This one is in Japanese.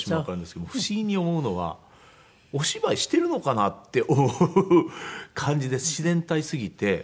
不思議に思うのはお芝居しているのかなって思う感じで自然体すぎて。